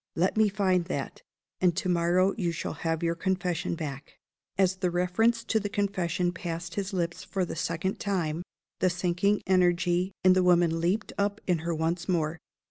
Let me find that; and to morrow you shall have your Confession back again." As the reference to the Confession passed his lips for the second time, the sinking energy in the woman leaped up in her once more.